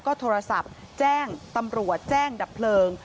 ก็โทรศัพท์แจ้งตำรวจแจ้งดับเพลิง